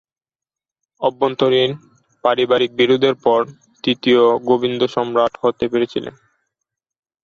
আভ্যন্তরীণ পারিবারিক বিরোধের পরই তৃতীয় গোবিন্দ সম্রাট হতে পেরেছিলেন।